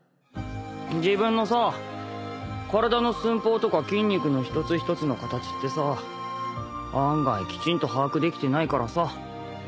自分のさ体の寸法とか筋肉の一つ一つの形ってさ案外きちんと把握できてないからさ。